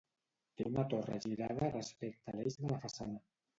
Té una torre girada respecte a l'eix de la façana.